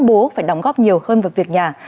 khuyến khích các bố phải đóng góp nhiều hơn vào việc nhà